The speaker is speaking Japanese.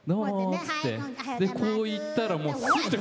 こういったらすって。